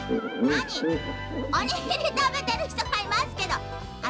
おにぎりたべてるひとがいますけど。